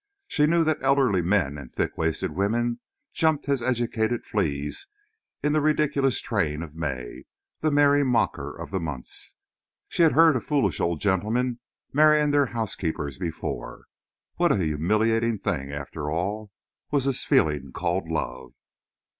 She knew that elderly men and thick waisted women jumped as educated fleas in the ridiculous train of May, the merry mocker of the months. She had heard of foolish old gentlemen marrying their housekeepers before. What a humiliating thing, after all, was this feeling called love!